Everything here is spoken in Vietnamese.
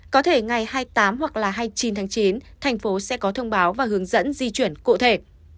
có thể ngày hai mươi tám hoặc là hai mươi chín tháng chín thành phố sẽ có thông báo và hướng dẫn di chuyển cụ thể